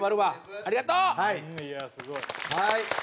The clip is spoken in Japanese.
はい。